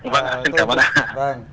xin chào các bạn